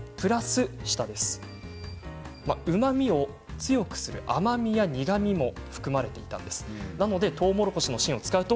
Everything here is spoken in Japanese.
うまみを強くする甘みや苦みも含まれていました。